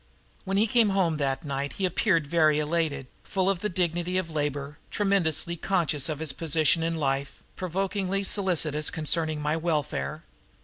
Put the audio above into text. When he came home that night he appeared very elated, full of the dignity of labor, tremendously conscious of his position in life, provokingly solicitous concerning my welfare.